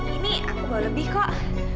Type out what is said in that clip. ini aku bawa lebih kok